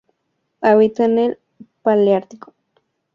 Habita en el paleártico: Oriente Próximo, el Magreb y las Canarias.